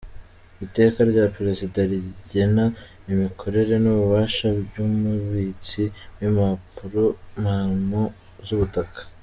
Iteka rya Perezida rigena imikorere n’ububasha by’Umubitsi w’Impapurompamo z’Ubutaka ;